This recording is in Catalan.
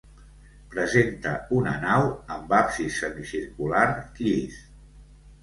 Presenta una nau amb absis semicircular llis.